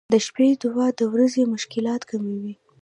• د شپې دعا د ورځې مشکلات کموي.